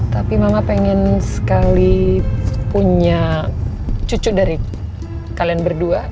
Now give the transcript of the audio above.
tapi mama pengen sekali punya cucu dari kalian berdua